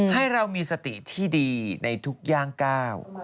ให้เรามีสติที่ดีในทุกย่างก้าว